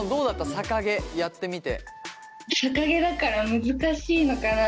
逆毛やってみて。